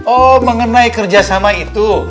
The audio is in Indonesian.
oh mengenai kerjasama itu